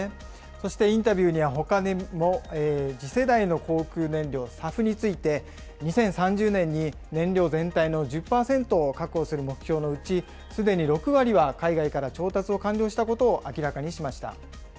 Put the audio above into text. そしてインタビューにはほかにも、次世代の航空燃料、ＳＡＦについて、２０３０年に燃料全体の１０％を確保する目標のうち、すでに６割は海外から調達を完了したことを明らかにしました。